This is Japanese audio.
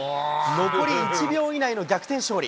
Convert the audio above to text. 残り１秒以内の逆転勝利。